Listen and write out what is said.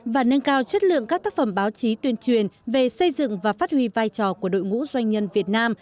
và nâng cao chất lượng các tác phẩm báo chí tuyên truyền về xây dựng và phát huy vai trò của đội ngũ doanh nhân việt nam